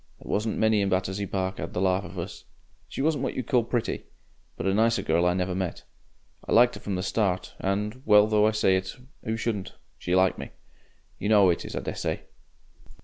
There wasn't many in Battersea Park 'ad the larf of us. She wasn't what you'd call pretty, but a nicer girl I never met. I liked 'er from the start, and, well though I say it who shouldn't she liked me. You know 'ow it is, I dessay?"